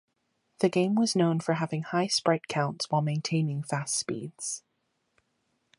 The game was known for having high sprite counts while maintaining fast speeds.